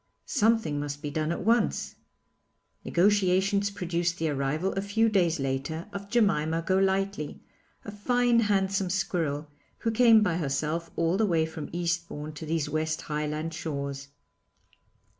Something must be done and at once. Negotiations produced the arrival a few days later of Jemima Golightly, a fine handsome squirrel, who came by herself all the way from Eastbourne to these West Highland shores.